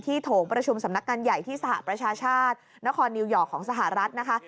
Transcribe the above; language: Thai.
โถงประชุมสำนักงานใหญ่ที่สหประชาชาตินครนิวยอร์กของสหรัฐนะคะ